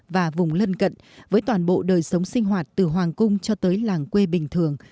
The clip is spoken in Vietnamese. và vùng lân cận với toàn bộ đời sống sinh hoạt từ hoàng cung cho tới làng quê bình thường